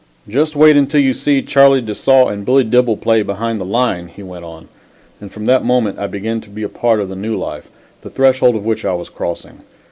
"Just wait until you see Charlie de Saulles and Billy Dibble play behind the line," he went on; and from that moment I began to be a part of the new life, the threshold of which I was crossing.